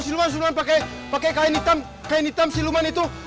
siluman pakai kain hitam kain hitam siluman itu